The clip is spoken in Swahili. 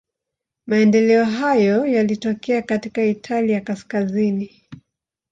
Maendeleo hayo yalitokea katika Italia kaskazini.